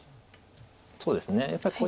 そうですねやっぱり。